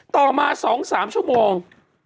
ต่อมา๒๓ชั่วโมง